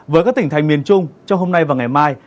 với các tỉnh thành miền trung trong hôm nay và ngày mai